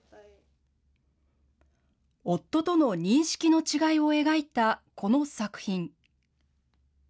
夫との認識の違いを描いたこの作品。